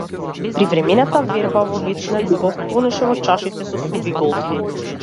Привремената верба во вечна љубов, тонеше во чашите со суви голтки.